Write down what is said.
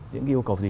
những yêu cầu gì